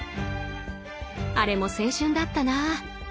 あれも青春だったな。